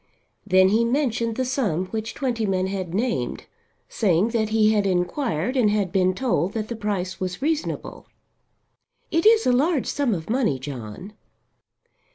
Then he mentioned the sum which Twentyman had named, saying that he had inquired and had been told that the price was reasonable. "It is a large sum of money, John."